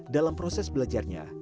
dalam proses belajarnya